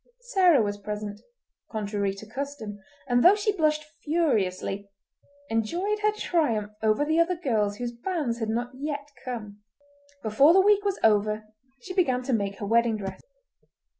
Sarah was present, contrary to custom, and though she blushed furiously enjoyed her triumph over the other girls whose banns had not yet come. Before the week was over she began to make her wedding dress.